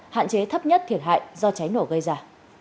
hạn chế thấp nhất thiệt hại do cháy nổ gây ra